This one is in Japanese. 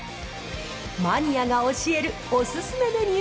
マニアが教えるお勧めメニュー